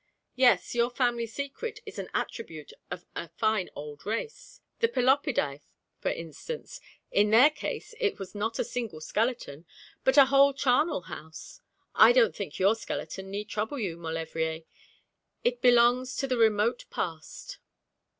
'Yes, your family secret is an attribute of a fine old race. The Pelopidæ, for instance in their case it was not a single skeleton, but a whole charnel house. I don't think your skeleton need trouble you, Maulevrier. It belongs to the remote past.'